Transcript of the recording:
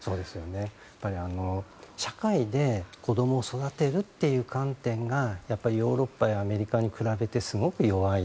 やっぱり社会で子供を育てるという観点がヨーロッパやアメリカに比べてすごく弱い。